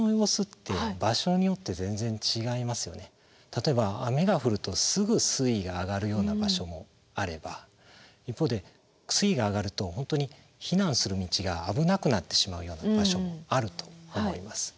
例えば雨が降るとすぐ水位が上がるような場所もあれば一方で水位が上がると本当に避難する道が危なくなってしまうような場所もあると思います。